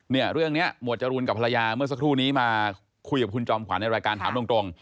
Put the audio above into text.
เนี่ยเรื่องนี้หมวดจรูนกับภรรยาเมื่อสักครู่นี้มาคุยกับคุณจอมขวัญในรายการถามตรง